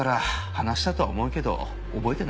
話したとは思うけど覚えてないですよ。